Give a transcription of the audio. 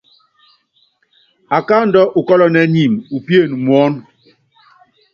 Akáandú ukɔ́lɔnɛ́ niimi, upíene muɔ́nɔ.